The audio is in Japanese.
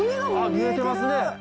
見えてますね！